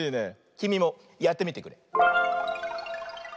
きみもやってみてくれ。